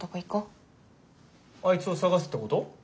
あいつを捜すってこと？